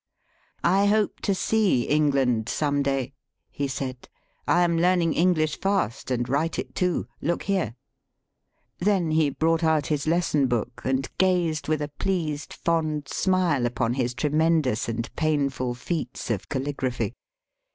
I hope to see England some day," he said. " I am learning English fast and write it too. Look here." Then he brought out his lesson book, and gazed with a pleased, fond smile upon his Digitized by VjOOQIC 166 EAST BY WEST. tremendous and painful feats of caligraphy.